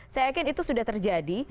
saya yakin itu sudah terjadi